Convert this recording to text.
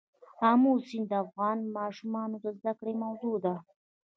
آمو سیند د افغان ماشومانو د زده کړې موضوع ده.